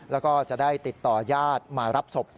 แล้วก็จะได้ติดต่อญาติมารับศพ